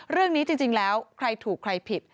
เรื่องนี้จริงแล้วใครถูกใครผิด